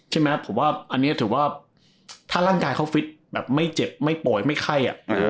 ใช่ไหมผมว่าอันนี้ถือว่าถ้าร่างกายเขาฟิตแบบไม่เจ็บไม่ป่วยไม่ไข้